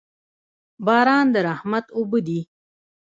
باران د رحمت اوبه دي